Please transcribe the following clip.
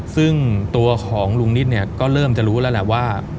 ซึ่งตัวของลุงนิดเนี่ยก็เริ่มจะรู้แล้วแหละว่า